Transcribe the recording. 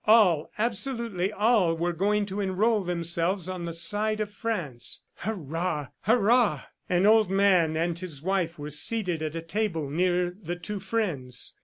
All, absolutely all, were going to enroll themselves on the side of France. "Hurrah! ... Hurrah!" ... An old man and his wife were seated at a table near the two friends.